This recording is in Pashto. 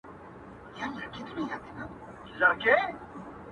اور یې زده کړ، د اور بلولو عقلاني تجربه یې ترلاسه کړه